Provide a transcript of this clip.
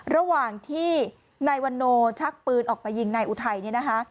ระหว่างที่นายวันโนชักปืนออกไปยิงนายอุทัยเนี่ยนะคะ